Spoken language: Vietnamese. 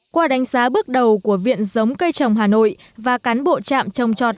qua đánh giá bước đầu của viện giống cây trồng hà nội và cán bộ trạm trồng trọt